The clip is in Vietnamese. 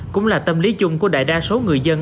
cũng là tâm lý chung của đại đa số người dân